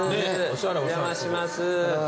お邪魔します。